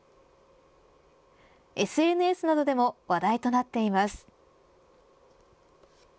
ＳＮＳなどでも話題となっています。